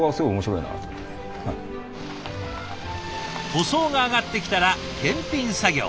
塗装があがってきたら検品作業。